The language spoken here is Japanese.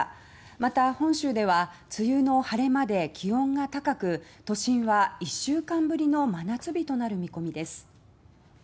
また本州では梅雨の晴れ間で気温が高く都心は１週間ぶりの真夏日となる見込みです。